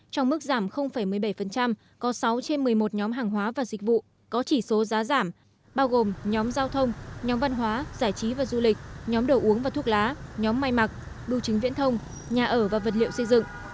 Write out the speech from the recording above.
trong mức giảm một mươi bảy có sáu trên một mươi một nhóm hàng hóa và dịch vụ có chỉ số giá giảm bao gồm nhóm giao thông nhóm văn hóa giải trí và du lịch nhóm đồ uống và thuốc lá nhóm may mặc bưu chính viễn thông nhà ở và vật liệu xây dựng